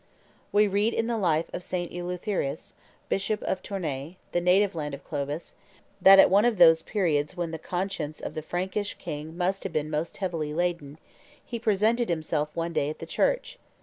We read in the life of St. Eleutherus, bishop of Tournai, the native land of Clovis, that at one of those periods when the conscience of the Frankish king must have been most heavily laden, he presented himself one day at the church.